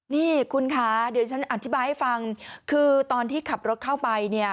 นี่คุณคะเดี๋ยวฉันอธิบายให้ฟังคือตอนที่ขับรถเข้าไปเนี่ย